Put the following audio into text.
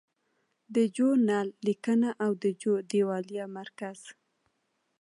د جو نل لیکنه او د جو دیوالیه مرکز